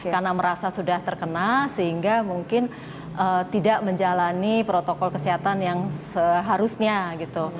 karena merasa sudah terkena sehingga mungkin tidak menjalani protokol kesehatan yang seharusnya gitu